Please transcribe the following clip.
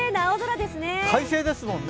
快晴ですもんね。